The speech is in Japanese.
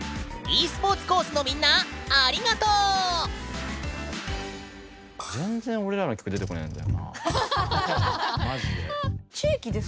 ｅスポーツコースのみんなありがとうまじで。